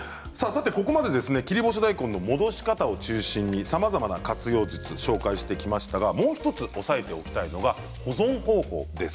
切り干し大根の戻し方を中心にさまざまな活用術を紹介してきましたがもう１つ、押さえておきたいのが保存方法です。